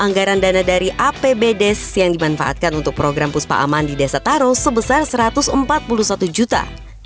anggaran dana dari apbdes yang dimanfaatkan untuk program puspa aman di desa taro sebesar satu ratus empat puluh satu juta